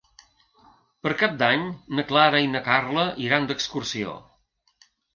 Per Cap d'Any na Clara i na Carla iran d'excursió.